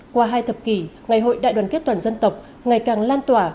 qua hai thập kỷ ngày hội đại đoàn kết toàn dân tộc ngày càng lan tỏa